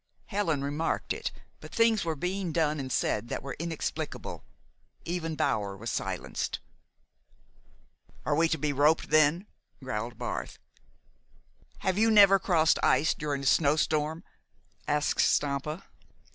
Helen remarked it; but things were being done and said that were inexplicable. Even Bower was silenced. "Are we to be roped, then?" growled Barth. "Have you never crossed ice during a snow storm?" asked Stampa.